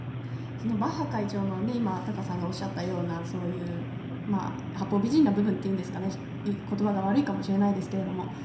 そのバッハ会長の、今、タカさんがおっしゃったような、そういう八方美人な部分というんですかね、ことばが悪いかもしれないですけれども。